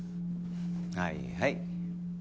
はいはい。